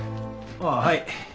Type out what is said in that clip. ああはい。